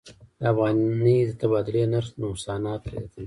د افغانۍ د تبادلې نرخ نوسانات زیاتوي.